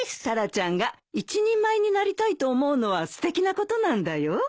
タラちゃんが一人前になりたいと思うのはすてきなことなんだよ。